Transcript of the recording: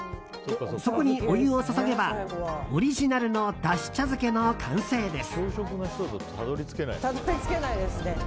そこにお湯を注げばオリジナルのだし茶漬けの完成です。